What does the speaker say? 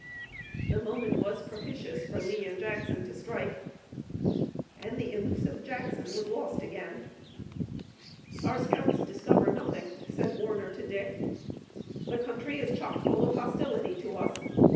The moment was propitious for Lee and Jackson to strike, and the elusive Jackson was lost again. "Our scouts discover nothing," said Warner to Dick. "The country is chockfull of hostility to us.